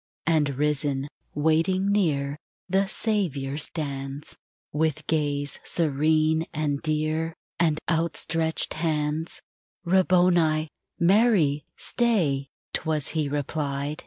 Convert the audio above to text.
And risen, waiting near, The Saviour stands, With .;aze serene and dear, An d outstretched hands. EASTER CAROLS 15 "Rabboni !" "Mary!" Stay, 'Twas He replied